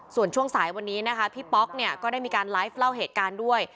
ส่วนช่วงสายวันนี้นะคะพี่ป๊อกเนี่ยก็ได้มีการไลฟ์เล่าเหตุการณ์ด้วย